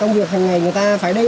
công việc hàng ngày người ta phải đi